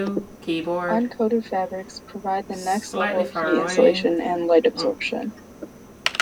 Uncoated fabrics provide the next level of heat insulation and light absorption.